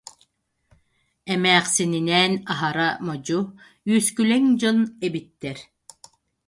Эмээхсининээн аһара модьу, үөскүлэҥ дьон эбиттэр